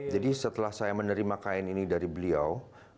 jadi setelah saya menerima kain ini dari beliau